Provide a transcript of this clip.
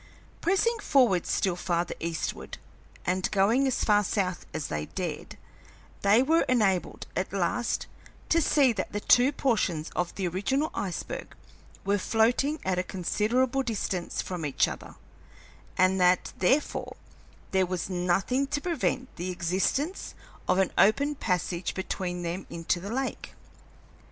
Pressing forward still farther eastward, and going as far south as they dared, they were enabled at last to see that the two portions of the original iceberg were floating at a considerable distance from each other, and that, therefore, there was nothing to prevent the existence of an open passage between them into the lake.